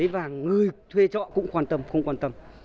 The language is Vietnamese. và người thuê trọ cũng không quan tâm